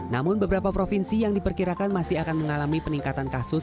namun beberapa provinsi yang diperkirakan masih akan mengalami peningkatan kasus